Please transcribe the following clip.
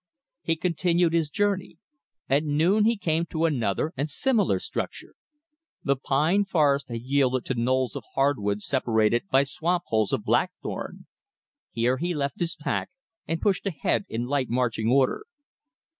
He continued his journey. At noon he came to another and similar structure. The pine forest had yielded to knolls of hardwood separated by swamp holes of blackthorn. Here he left his pack and pushed ahead in light marching order.